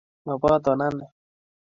maboto anee